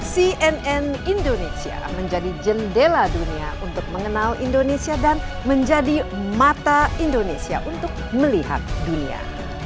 cnn indonesia menjadi jendela dunia untuk mengenal indonesia dan menjadi mata indonesia untuk melihat dunia